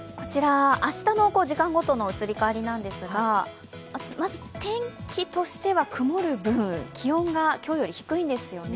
明日の時間ごとの移り変わりなんですがまず天気としては曇る分、気温が今日よりも低いんですよね。